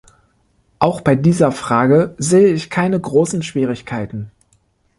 Auch bei dieser Frage sehe ich keine großen Schwierigkeiten.